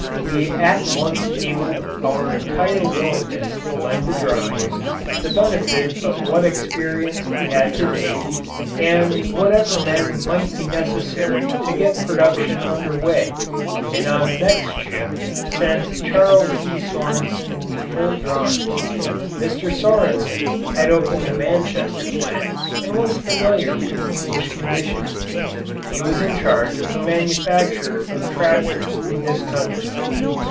We at once cabled our entire willingness to lend the drawings, the benefit of what experience we had to date, and whatever men might be necessary to get production under way, and on the next ship sent Charles E. Sorensen with full drawings. Mr. Sorensen had opened the Manchester plant and was familiar with English conditions. He was in charge of the manufacture of tractors in this country.